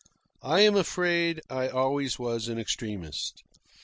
I am afraid I always was an extremist.